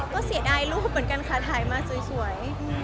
ก็เสียดายรูปเหมือนกันค่ะถ่ายมาสวย